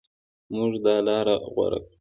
موږ دا لاره غوره کړه.